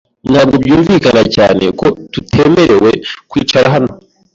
Ntabwo byumvikana cyane ko tutemerewe kwicara hano.